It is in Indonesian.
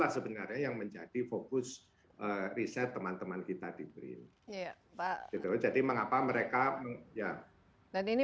sebenarnya yang menjadi fokus riset teman teman kita di beli ya retro jadi mengapa mereka siap dan ini